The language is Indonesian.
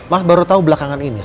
mas baru tahu belakangan ini